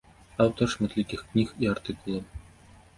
Аўтар шматлікіх кніг і артыкулаў.